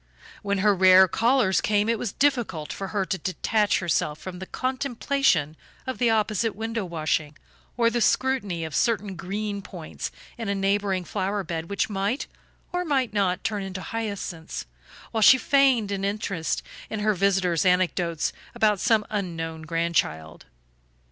When her rare callers came it was difficult for her to detach herself from the contemplation of the opposite window washing, or the scrutiny of certain green points in a neighboring flower bed which might, or might not, turn into hyacinths, while she feigned an interest in her visitor's anecdotes about some unknown grandchild.